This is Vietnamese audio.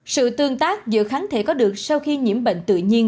sự tương tác giữa kháng thể có được sau khi nhiễm bệnh tự nhiên